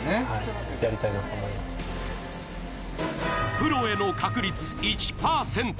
プロへの確率１％